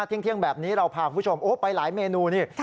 เที่ยงแบบนี้เราพาคุณผู้ชมโอ้ไปหลายเมนูนี่